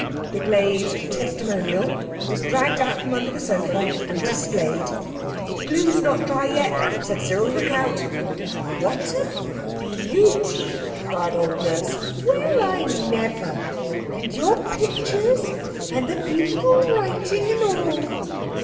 The glazed testimonial was dragged out from under the sofa and displayed. "The glue's not dry yet," said Cyril, "look out!" "What a beauty!" cried old Nurse. "Well, I never! And your pictures and the beautiful writing and all.